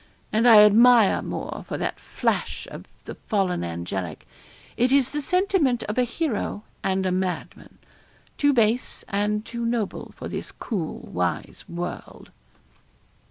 And I admire Moore for that flash of the fallen angelic it is the sentiment of a hero and a madman too base and too noble for this cool, wise world.'